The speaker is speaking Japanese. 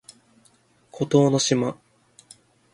孤島の島